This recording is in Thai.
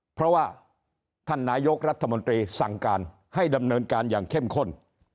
เพราะว่าท่านนายกรัฐมนตรีสั่งการให้ดำเนินการอย่างเข้มข้น